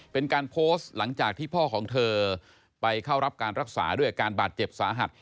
เป็นการโพสต์หลังจากที่พ่อของเธอไปเข้ารับการรักษาด้วยอาการบาดเจ็บสาหัส